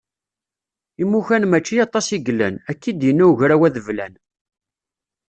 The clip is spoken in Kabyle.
Imukan mačči aṭas i yellan, akka i d-yenna ugraw adeblan.